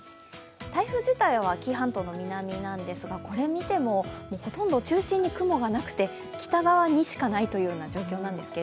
台風自体は紀伊半島の南なんですが、これを見てもほとんど中心に雲がなくて北側にしかないという状況なんですが。